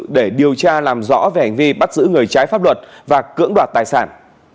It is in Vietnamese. để điều tra làm rõ về hành vi bắt giữ người trái pháp luật và cưỡng đoạt tài sản